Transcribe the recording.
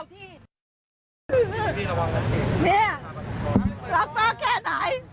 อันนี้เป็นอันที่เรารักมากที่สุด